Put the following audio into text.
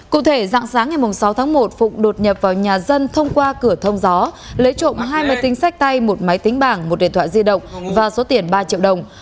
cụ thể dạng sáng ngày sáu tháng một phụng đột nhập vào nhà dân thông qua cửa thông gió lấy trộm hai máy tính sách tay một máy tính bảng một điện thoại di động và số tiền ba triệu đồng